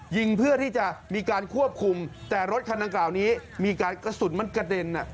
ยิงเพื่อที่จะมีการควบคุมแต่รถคันดังกล่าวนี้มีการกระสุนมันกระเด็น